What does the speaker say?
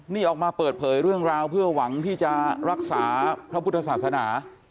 นี่ออกมาเปิดเผยเรื่องราวเพื่อหวังที่จะรักษาพระพุทธศาสนา